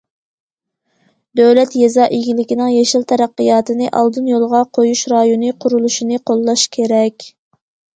دۆلەت يېزا ئىگىلىكىنىڭ يېشىل تەرەققىياتىنى ئالدىن يولغا قويۇش رايونى قۇرۇلۇشىنى قوللاش كېرەك.